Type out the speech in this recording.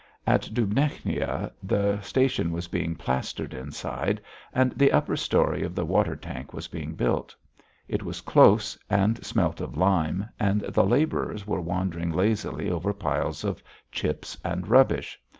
At Dubechnia the station was being plastered inside, and the upper story of the water tank was being built. It was close and smelt of lime, and the labourers were wandering lazily over piles of chips and rubbish.